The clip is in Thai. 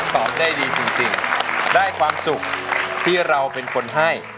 ตอบได้ดีจริงได้ความสุขที่เราเป็นคนให้